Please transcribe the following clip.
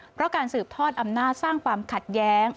เพราะการสืบทอดอำนาจสร้างความขัดแย้ง